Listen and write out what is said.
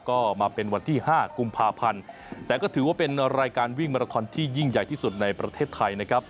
ก็มาเป็นวันที่๕กุมภาพันธ์แต่ก็ถือว่าเป็นรายการวิ่งมาราคอนที่ยิ่งใหญ่ที่สุดในประเทศไทยนะครับ